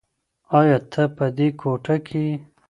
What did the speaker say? ایا ته په دې کوټه کې یې؟